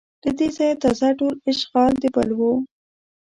له دې ځایه تازه ټول اشغال د بل و